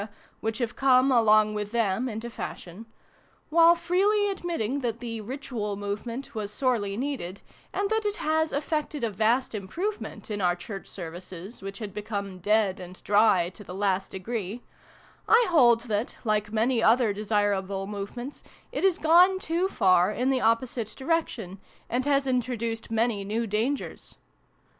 which have come, along with them, into fashion while freely admitting that the ' Ritual ' movement was sorely needed, and that it has effected a vast improvement in our Church Services, which had become dead and dry to the last degree, I hold that, like many other desirable movements, it has gone too far in the oppo site direction, and has introduced many new dangers.